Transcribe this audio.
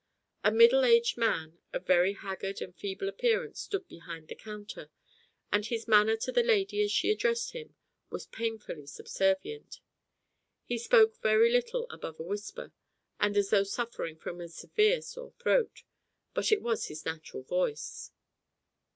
A middle aged man of very haggard and feeble appearance stood behind the counter, and his manner to the lady as she addressed him was painfully subservient. He spoke very little above a whisper, and as though suffering from a severe sore throat, but it was his natural voice.